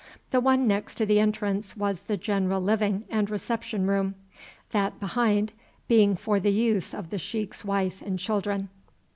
The one next to the entrance was the general living and reception room, that behind being for the use of the sheik's wife and children.